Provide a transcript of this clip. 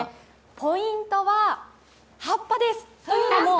ポイントは、葉っぱです。